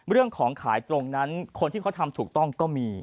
เรื่องของขายตรงนั้นคนที่เขาทำถูกต้องก็มี